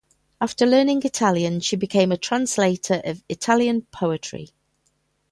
After learning Italian, she became a translator of Italian poetry.